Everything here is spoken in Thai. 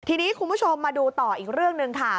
ทีนี้คุณผู้ชมมาดูต่ออีกเรื่องหนึ่งค่ะ